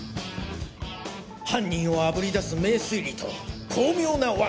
犯人をあぶり出す名推理と巧妙な罠。